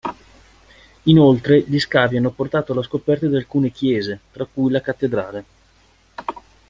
Inoltre gli scavi hanno portato alla scoperta di alcune chiese, tra cui la cattedrale.